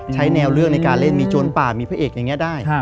ใช้แนวเรื่องในการเล่นมีโจรป่ามีพระเอกอย่างนี้ได้